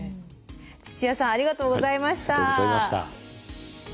土屋さんありがとうございました。